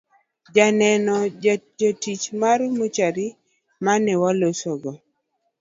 Joneno jatich mar mochari mane walosogo